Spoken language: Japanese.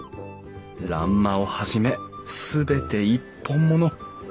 欄間をはじめ全て一本もの。